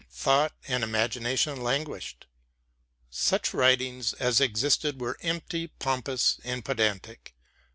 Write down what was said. Thought and imagination languished. Such writings as existed were empty, pompous, and pedantic.